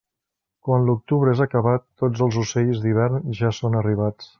Quan l'octubre és acabat, tots els ocells d'hivern ja són arribats.